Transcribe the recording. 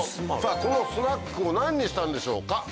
さぁこのスナックを何にしたんでしょうか？